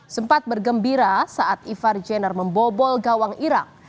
sempat bergembira saat ivar jenner membobol gawang irak